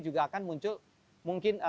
juga akan muncul mungkin